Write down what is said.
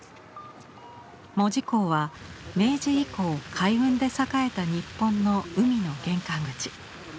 門司港は明治以降海運で栄えた日本の「海の玄関口」。